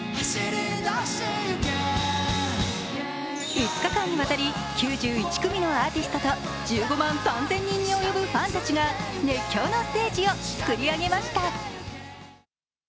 ５日間にわたり９１組のアーティストと１５万３０００人に及ぶファンたちが熱狂のステージを作り上げました。